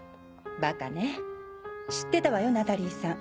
バカね知ってたわよナタリーさん。